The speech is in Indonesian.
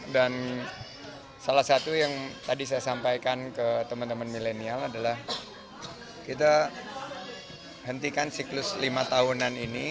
dan salah satu yang tadi saya sampaikan ke teman teman milenial adalah kita hentikan siklus lima tahunan ini